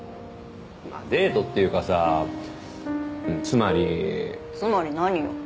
デートっていうかさつまりつまり何よ？